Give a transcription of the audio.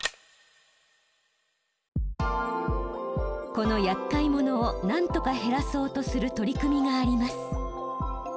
このやっかい者を何とか減らそうとする取り組みがあります。